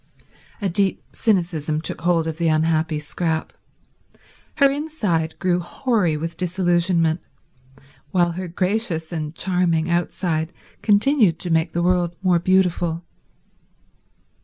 A deep cynicism took hold of the unhappy Scrap. Her inside grew hoary with disillusionment, while her gracious and charming outside continued to make the world more beautiful.